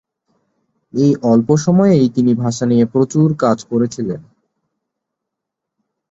এই অল্প সময়েই তিনি ভাষা নিয়ে প্রচুর কাজ করেছিলেন।